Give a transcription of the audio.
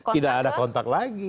tidak ada kontak lagi